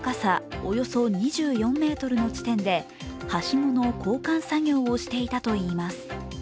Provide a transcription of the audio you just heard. およそ２４ｍの地点ではしごの交換作業をしていたといいます。